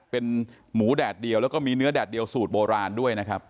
เป็นหมูแดดเดียวแล้วก็มีเนื้อแดดเดียวสูตรโบราณด้วยนะครับ